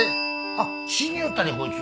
あっ死によったでこいつ。